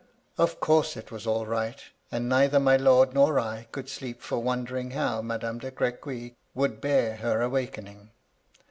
" Of course, it was all right ; and neither my lord nor I could sleep for wondering how Madame de Crequy would bear her awakening.